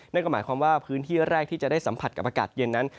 นั่นก็หมายความว่าพื้นที่แรกที่จะได้สัมผัสกับอากาศเย็นนั้น